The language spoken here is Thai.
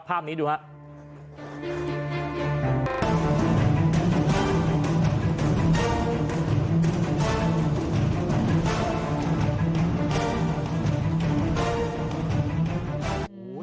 ภาพนี้ดูครับ